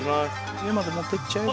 米まで持ってっちゃえば。